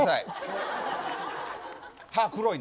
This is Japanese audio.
歯、黒いね。